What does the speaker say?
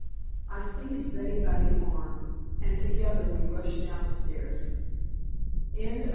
I seized Betty by the arm, and together we rushed down the stairs. Chapter XXIII.